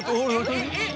えっ！？